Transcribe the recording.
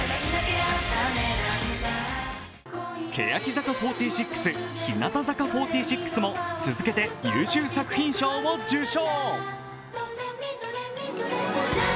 欅坂４６、日向坂４６も続けて優秀作品賞を受賞。